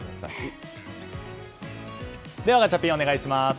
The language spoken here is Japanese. ではガチャピン、お願いします。